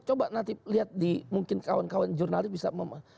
coba nanti lihat di mungkin kawan kawan jurnalis bisa